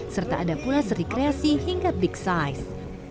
serta ada pula seri kreasi hingga big size